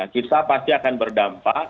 kita pasti akan berdampak